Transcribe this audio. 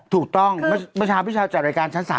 ถูกต้องเมื่อเช้าพี่เช้าจัดรายการชั้น๓